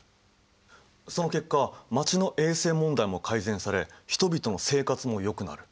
その結果街の衛生問題も改善され人々の生活もよくなる。